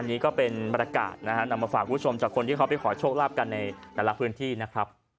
นี่ก็เป็นบรรยากาศนะฮะนำมาฝากคุณผู้ชมจากคนที่เขาไปขอโชคลาภกันในแต่ละพื้นที่นะครับ